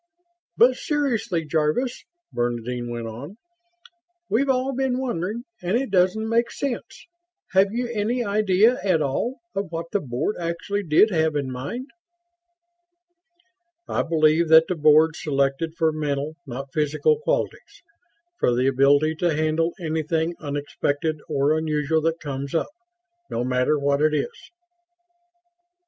"But seriously, Jarvis," Bernadine went on. "We've all been wondering and it doesn't make sense. Have you any idea at all of what the Board actually did have in mind?" "I believe that the Board selected for mental, not physical, qualities; for the ability to handle anything unexpected or unusual that comes up, no matter what it is."